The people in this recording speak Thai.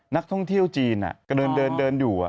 นักท่องเที่ยวจีนก็เดินอยู่